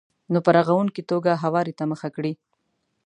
نو په رغونکې توګه هواري ته مخه کړئ.